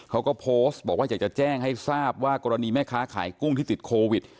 เขาก็โพสต์บอกว่าอยากจะแจ้งให้ทราบว่ากรณีแม่ค้าขายกุ้งที่ติดโควิด